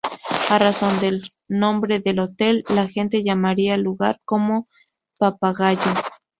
A razón del nombre del hotel, la gente llamaría al lugar como "Papagayo".